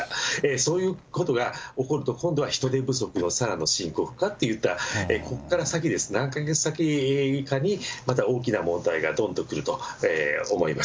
そういうことが起こると今度は人手不足のさらに深刻化といった、ここから先、何か月先かにまた大きな問題がどんと来ると思います。